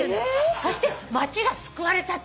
そして街が救われたって。